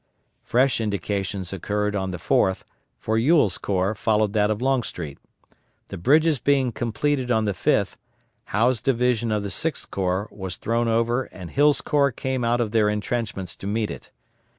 Fresh indications occurred on the 4th, for Ewell's corps followed that of Longstreet. The bridges being completed on the 5th, Howe's division of the Sixth Corps was thrown over and Hill's corps came out of their intrenchments to meet it.